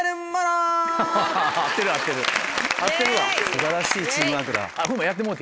素晴らしいチームワークだ。